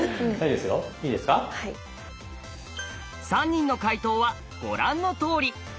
３人の解答はご覧のとおり。